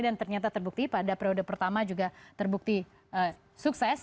dan ternyata terbukti pada periode pertama juga terbukti sukses